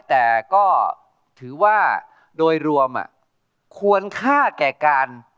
แต่ก็ถือว่าโดยรวมอะควรฆ่ากัดงั้น